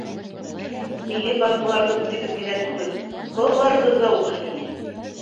Милли баҫмаларҙы үҙебеҙ генә түгел, балаларыбыҙ ҙа уҡыһын ине.